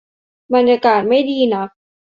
บรรยากาศไม่ดีนัก